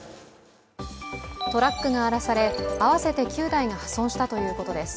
トラックが荒らされ、合わせて９代が破損したということです。